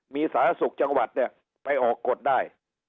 มีสาธารณสุขจังหวัดเนี่ยไปออกกฎได้